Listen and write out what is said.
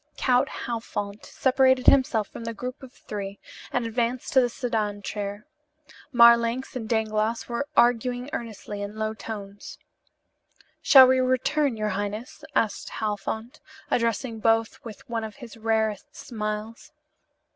Count Halfont separated himself from the group of three and advanced to the sedan chair. Marlanx and Dangloss were arguing earnestly in low tones. "Shall we return, your highness?" asked Halfont, addressing both with one of his rarest smiles.